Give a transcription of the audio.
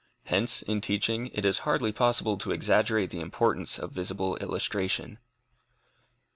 Hence, in teaching, it is hardly possible to exaggerate the importance of visible illustration.